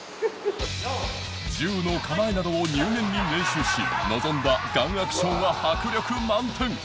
銃の構えなどを入念に練習し臨んだガンアクションは迫力満点！